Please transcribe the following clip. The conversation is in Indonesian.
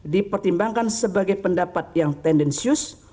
dipertimbangkan sebagai pendapat yang tendensius